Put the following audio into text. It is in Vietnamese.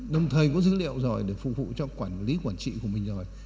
đồng thời có dữ liệu rồi để phục vụ cho quản lý quản trị của mình rồi